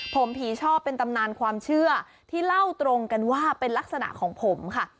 ผมผีชอบเป็นตำนานความเชื่อที่เล่าตรงกันว่าเป็นลักษณะของผมค่ะ